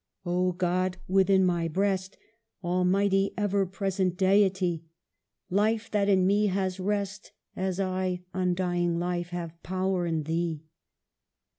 " O God, within my breast, Almighty, ever present Deity ! Life, that in me has rest, As I — undying life — have power in thee.